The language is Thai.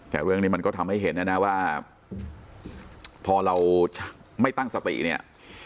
แต่เรื่องนี้มันก็ทำให้เห็นนะนะว่าพอเราไม่ตั้งสติเนี่ย